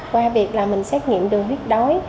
qua việc là mình xét nghiệm đường huyết đói